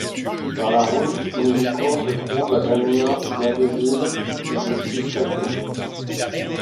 Par la route, Maizicourt se trouve à d'Amiens, d'Abbeville et d'Auxi-le-Château.